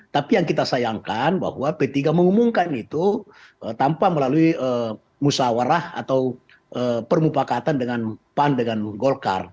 tapi yang kita sayangkan bahwa p tiga mengumumkan itu tanpa melalui musawarah atau permupakatan dengan pan dengan golkar